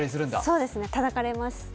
そうですね、たたかれます